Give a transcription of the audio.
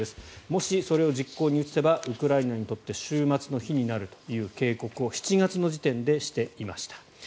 もしそれを実行に移せばウクライナにとって終末の日になるという警告を７月の時点でしていました。